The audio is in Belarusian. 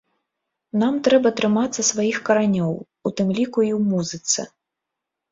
Нам трэба трымацца сваіх каранёў, у тым ліку і ў музыцы!